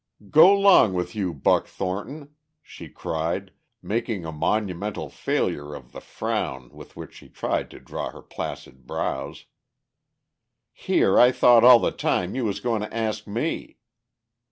"Go 'long with you, Buck Thornton!" she cried, making a monumental failure of the frown with which she tried to draw her placid brows. "Here I thought all the time you was goin' to ask me!"